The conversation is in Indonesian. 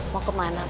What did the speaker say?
mau kemana pak